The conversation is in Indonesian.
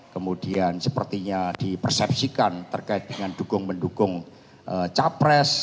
kemudian sepertinya dipersepsikan terkait dengan dukung mendukung capres